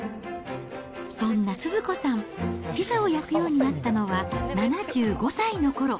そんなスズ子さん、ピザを焼くようになったのは７５歳のころ。